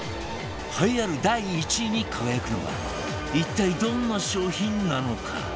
栄えある第１位に輝くのは一体どんな商品なのか？